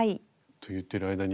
と言っている間に。